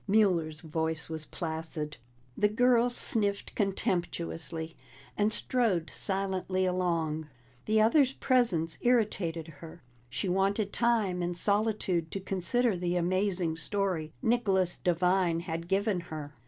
Mueller's voice was placid. The girl sniffed contemptuously, and strode silently along. The other's presence irritated her; she wanted time and solitude to consider the amazing story Nicholas Devine had given her.